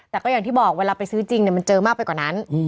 แต่ก็อย่างที่บอกเวลาไปซื้อจริงมันเจอมากไปกว่านั้น